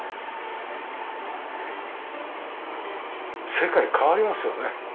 世界変わりますよね。